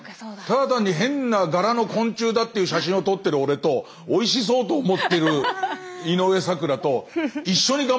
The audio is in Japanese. ただ単に変な柄の昆虫だっていう写真を撮ってる俺とおいしそうと思ってる井上咲楽と一緒にがんばろうになった。